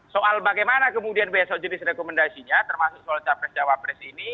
soal bagaimana kemudian besok jenis rekomendasinya termasuk soal capres cawapres ini